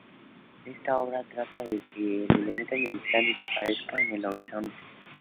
Esta obra trata de que el elemento militar desaparezca en el horizonte.